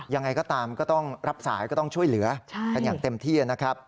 ยังไงก็ตามก็ต้องรับสายก็ต้องช่วยเหลือกันอย่างเต็มที่นะครับ